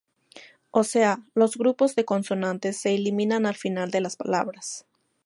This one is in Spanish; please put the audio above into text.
O sea: los grupos de consonantes se eliminan al final de las palabras.